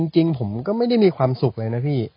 จริงผมก็ไม่ได้มีความสุขเลยนะพี่